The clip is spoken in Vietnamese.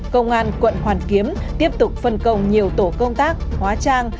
công an quận hoàn kiếm tiếp tục phân công nhiều tổ công tác hóa trang